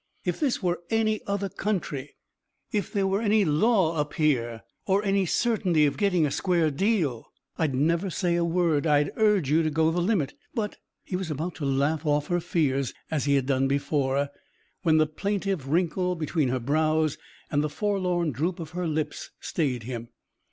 "If this were any other country, if there were any law up here or any certainty of getting a square deal, I'd never say a word, I'd urge you to go the limit. But " He was about to laugh off her fears as he had done before, when the plaintive wrinkle between her brows and the forlorn droop of her lips stayed him.